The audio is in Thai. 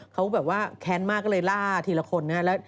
เขาก็แบบว่าแคนมากเลยล่าหลีละคนครับ